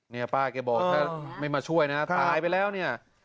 เนี่ยป้าแกบอกถ้าไม่มาช่วยนะตายไปแล้วเนี่ย